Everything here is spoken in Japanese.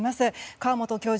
河本教授